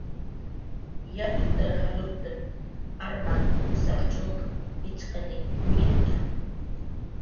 Yatxutar jalurktn armant pusaq cxunk pichqani minutu.